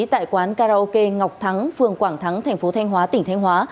tại quán karaoke ngọc thắng phường quảng thắng tp thanh hóa tỉnh thanh hóa